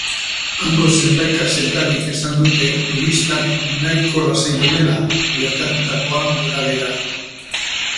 Hango zenbait kazetarik esan dute turistak nahiko lasai daudela, gertatutakoa gorabehera.